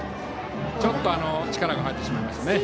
ちょっと力が入ってしまいました。